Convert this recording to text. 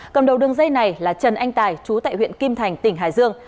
cầm đầu đường dây này là trần anh tài chú tại huyện kim thành tỉnh hải dương